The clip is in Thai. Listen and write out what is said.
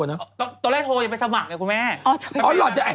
ส่วนประหลัดกุ๊กไม่ได้ประหลัดหาคู่